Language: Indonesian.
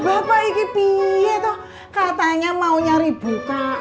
lalah bapak ini pieto katanya mau nyari bukaan